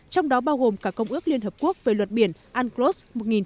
trong đó bao gồm cả công ước liên hợp quốc về luật biển unclos một nghìn chín trăm tám mươi hai